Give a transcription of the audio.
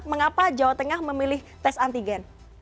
mengapa jawa tengah memilih tes antigen